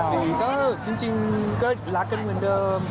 ดีก็จริงก็รักกันเหมือนเดิม